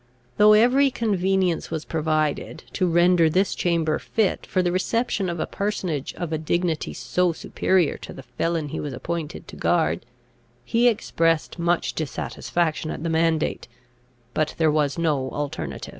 Though every convenience was provided, to render this chamber fit for the reception of a personage of a dignity so superior to the felon he was appointed to guard, he expressed much dissatisfaction at the mandate: but there was no alternative.